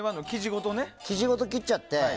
生地ごと切っちゃって。